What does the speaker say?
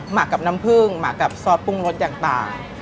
หักกับน้ำผึ้งหมักกับซอสปรุงรสต่าง